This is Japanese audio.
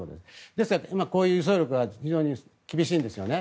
ですから今、輸送力が非常に厳しいんですよね。